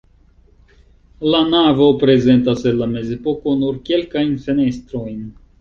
La navo prezentas el la mezepoko nur kelkajn fenestrojn.